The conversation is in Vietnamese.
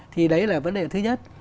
thì đấy là vấn đề thứ nhất